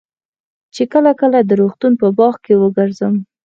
چې کله کله د روغتون په باغ کښې وګرځم.